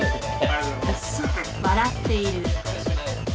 笑っている。